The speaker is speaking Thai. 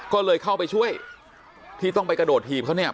ก็เลยเข้าไปช่วยที่ต้องไปกระโดดถีบเขาเนี่ย